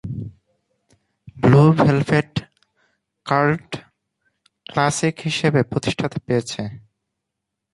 Blue Velvet cult classic হিসেবে প্রতিষ্ঠা পেয়েছে।